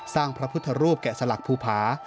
สร้างพระพุทธรูปแกะสลักภูภา